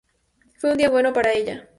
Fue un día muy bueno para ella.